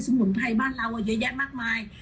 มุนไพรบ้านเราเยอะแยะมากมาย